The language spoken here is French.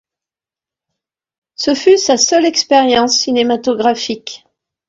Ce fut sa seule expérience cinématographique.